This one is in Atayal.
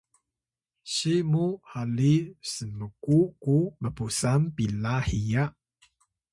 si mu haliy smku ku mpusan pila hiya